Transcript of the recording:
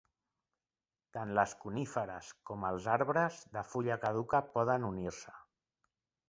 Tant les coníferes com els arbres de fulla caduca poden unir-se.